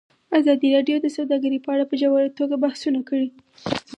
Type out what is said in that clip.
ازادي راډیو د سوداګري په اړه په ژوره توګه بحثونه کړي.